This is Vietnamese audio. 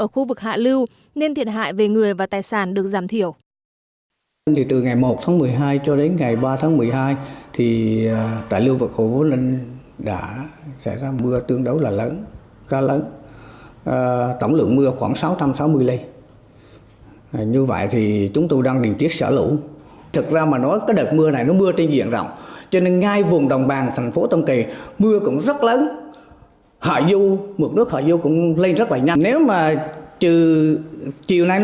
khiến thiệt hại về người và tài sản được giảm thiểu